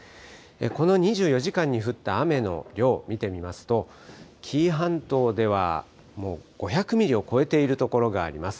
この２４時間に降った雨の量見てみますと、紀伊半島ではもう５００ミリを超えている所があります。